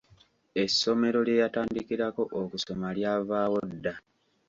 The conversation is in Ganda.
Essomero lye yatandikirako okusoma lyavaawo dda.